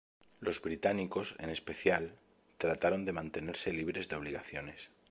Los británicos, en especial, trataron de mantenerse libres de obligaciones.